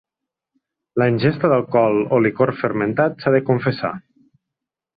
La ingesta d'alcohol o licor fermentat s'ha de confessar.